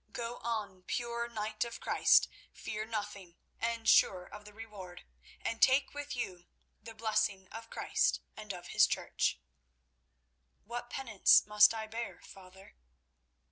Go on, pure knight of Christ, fearing nothing and sure of the reward, and take with you the blessing of Christ and of his Church." "What penance must I bear, father?"